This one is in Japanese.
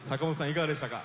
いかがでしたか？